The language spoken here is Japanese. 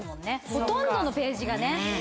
ほとんどのページがね。